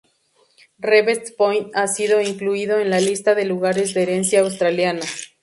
Reeves Point ha sido incluido en la lista de Lugares de Herencia Australiana.